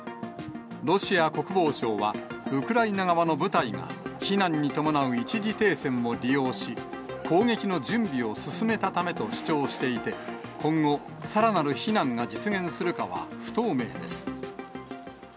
ロシア国防省は、ウクライナ側の部隊が避難に伴う一時停戦を利用し、攻撃の準備を進めたためと主張していて、今後、さらなる避難が実現するかは不透明です。